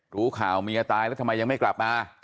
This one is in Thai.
รู้ข่าวเมียตายแล้วทำไมยังไม่กลับมา